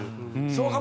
そうか。